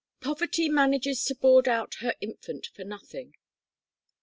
POVERTY MANAGES TO BOARD OUT HER INFANT FOR NOTHING.